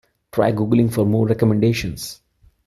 Try googling for more recommendations.